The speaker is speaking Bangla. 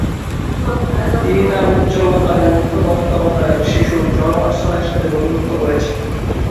তিনি তাঁর উজ্জ্বলতায় মুগ্ধ তত্ত্বাবধায়ক শিশু জন ওয়াটসনের সাথে বন্ধুত্ব করেছেন।